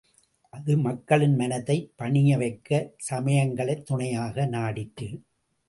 அது மக்கள் மனத்தைப் பணியவைக்கச் சமயங்களைத் துணையாக நாடிற்று.